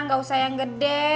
gak usah yang gede